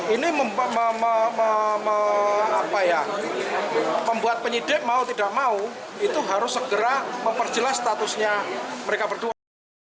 ini membuat penyidik mau tidak mau itu harus segera memperjelas statusnya mereka berdua